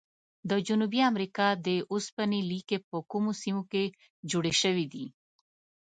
د جنوبي امریکا د اوسپنې لیکي په کومو سیمو کې جوړې شوي دي؟